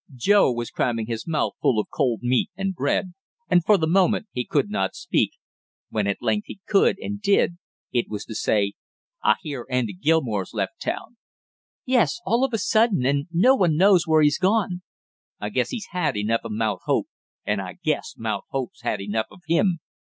Joe was cramming his mouth full of cold meat and bread, and for the moment could not speak; when at length he could and did, it was to say: "I hear Andy Gilmore's left town?" "Yes, all of a sudden, and no one knows where he's gone!" "I guess he's had enough of Mount Hope, and I guess Mount Hope's had enough of him!"